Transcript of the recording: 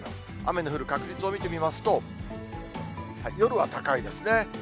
雨の降る確率を見てみますと、夜は高いですね。